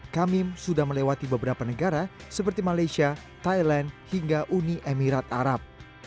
kamim sudah melewati beberapa negara seperti malaysia thailand hingga uni emirat arab